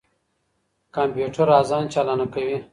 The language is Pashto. کمپيوټر آذان چالانه کوي.